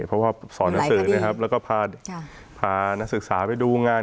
เพราะว่าสอนหนังสือนะครับแล้วก็พานักศึกษาไปดูงาน